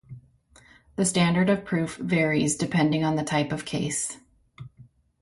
The standard of proof varies depending on the type of case.